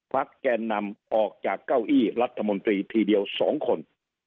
แกนนำออกจากเก้าอี้รัฐมนตรีทีเดียว๒คน